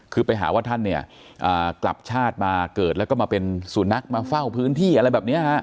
คือไปหาว่าท่านเนี่ยกลับชาติมาเกิดแล้วก็มาเป็นสุนัขมาเฝ้าพื้นที่อะไรแบบนี้ฮะ